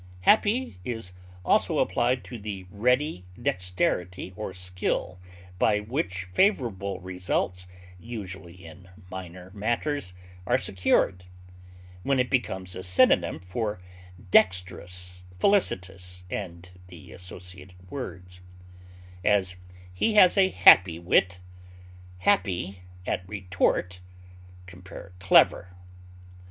Happy is also applied to the ready dexterity or skill by which favorable results (usually in minor matters) are secured, when it becomes a synonym for dexterous, felicitous, and the associated words; as, he has a happy wit; happy at retort (compare CLEVER).